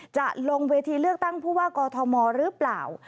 จะลงเวทีเลือกตั้งผู้ว่ากอทมหรือเปล่า